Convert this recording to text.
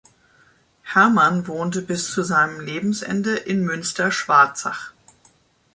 Hermann wohnte bis zu seinem Lebensende in Münsterschwarzach.